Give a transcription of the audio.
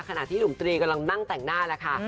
ขณะที่หนุ่มตรีกำลังนั่งแต่งหน้าแล้วค่ะ